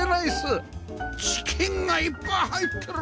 チキンがいっぱい入ってる！